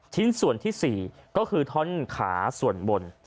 ชิ้นส่วนที่๔ก็คือท่อนขาส่วนบน